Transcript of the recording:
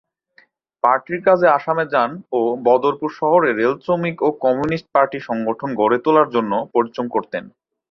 পার্টির কাজে আসামে যান ও বদরপুর শহরে রেল শ্রমিক ও কমিউনিস্ট পার্টি সংগঠন গড়ে তোলার জন্যে পরিশ্রম করতেন।